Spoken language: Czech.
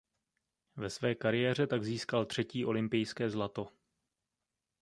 Ve své kariéře tak získal třetí olympijské zlato.